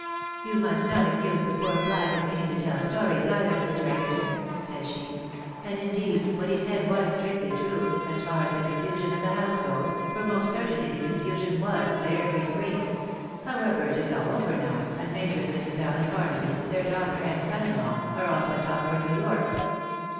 " You must not accuse the poor black of meaning to tell stories either, IMr. Egerton," said she ;" and, indeed, what he said was strictly true, as far as the confusion of the house goes, for most certainly the confusion ivas very great ; however, it is all over now, and Major and Mrs. Allen Barnaby, their daughter, and son in law, are all set off for ISTew York.''